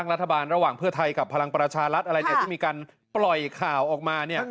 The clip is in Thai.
เลอะเถอะถามกี่ครั้งก็เป็นอย่างนั้น